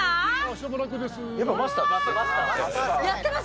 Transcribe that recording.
しばらくです。